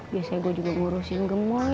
biasanya gue juga ngurusin gemol